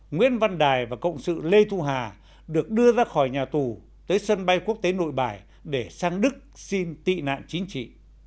nguyễn văn đài và cộng sự lê thu hà được đưa ra khỏi nhà tù tới sân bay quốc tế nội bài để sang đức xin tị nạn chính trị